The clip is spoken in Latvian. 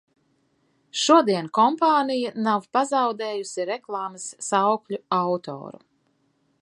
Šodien kompānija nav pazaudējusi reklāmas saukļu autoru.